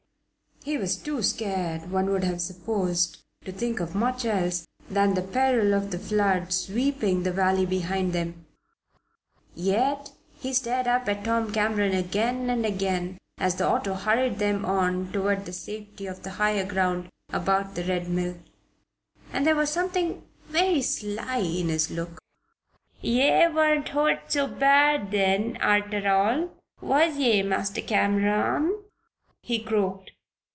He was too scared, one would have supposed, to think of much else than the peril of the flood sweeping the valley behind them; yet he stared up at Tom Cameron again and again as the auto hurried them on toward the safety of the higher ground about the Red Mill, and there was something very sly in his look. "Ye warn't hurt so bad then, arter all, was ye, Master Cameron?" he croaked.